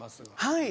はい。